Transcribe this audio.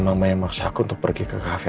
mama yang maksa aku pergi ke cafe